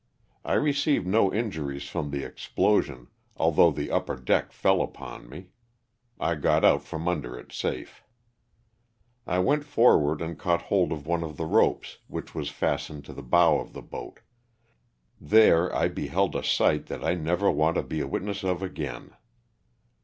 I received no inju ries from the explosion although the upper deck fell upon me. I got out from under it safe. I went forward and caught hold of one of the ropes which was fastened to the bow of the boat ; there I be held a sight that I never want to be a witness of again.